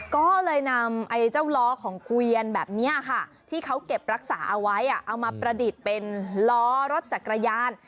ก็เลยนำไอ้เจ้าล้อของเกวียนแบบนี้ค่ะที่เขาเก็บรักษาเอาไว้เอามาประดิษฐ์เป็นล้อรถจักรยาน